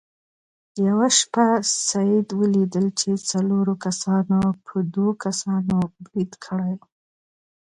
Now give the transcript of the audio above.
یوه شپه سید ولیدل چې څلورو کسانو په دوو کسانو برید کړی.